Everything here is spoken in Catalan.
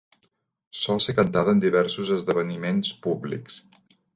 Sol ser cantada en diversos esdeveniments públics.